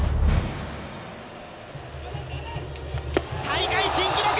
大会新記録！